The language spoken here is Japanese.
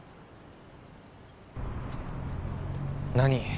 何？